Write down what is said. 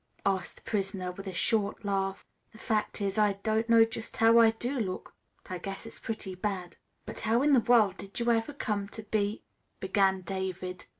asked the prisoner with a short laugh. "The fact is, I don't know just how I do look, but I guess it's pretty bad." "But how in the world did you ever come to be " began David.